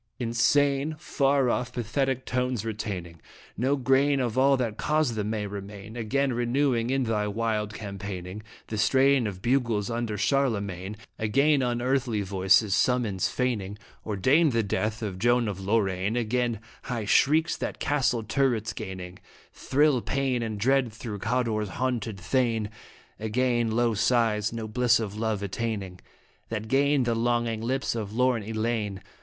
Insane, far off, pathetic tones retaining, No grain of all that caused them may remain ; Again renewing in thy wild campaigning The strain of bugles under Charlemagne ; Again unearthly voices, summons feigning, Ordain the death of Joan of Lorraine ; Again high shrieks that castle turrets gaining Thrill pain and dread through Cawdor's haunted Thane; Again low sighs (no bliss of love attaining) That gain the longing lips of lorn Elayne.